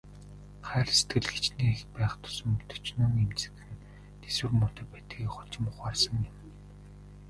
Хайр сэтгэл хэчнээн их байх тусам төчнөөн эмзэгхэн, тэсвэр муутай байдгийг хожим ухаарсан юм.